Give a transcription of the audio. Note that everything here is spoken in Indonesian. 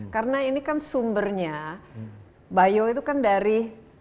karena ini kan sumbernya bio itu kan dari